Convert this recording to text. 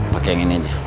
pakai yang ini aja